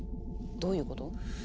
どういうこと？